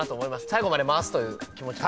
最後まで回すという気持ちで。